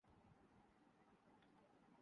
پنجابی کا ایک اور لفظ ہے، ' جھلت‘۔